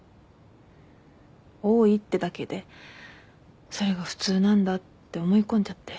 多いってだけでそれが普通なんだって思い込んじゃって。